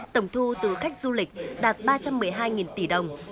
tổng thu từ khách du lịch đạt ba trăm một mươi hai tỷ đồng